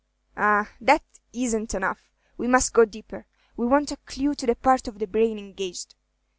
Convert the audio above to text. "Ah, that isn't enough, we must go 'deeper; we want a clew to the part of the brain engaged.